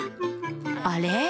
あれ？